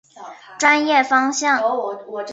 专业方向。